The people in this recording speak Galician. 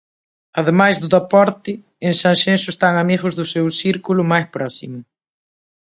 Ademais do deporte, en Sanxenxo están amigos do seu círculo máis próximo.